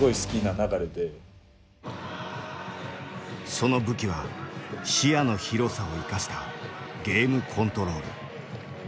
その武器は視野の広さを生かしたゲームコントロール。